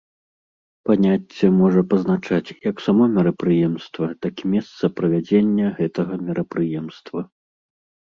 Паняцце можа пазначаць як само мерапрыемства, так і месца правядзення гэтага мерапрыемства.